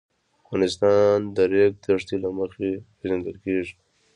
افغانستان د د ریګ دښتې له مخې پېژندل کېږي.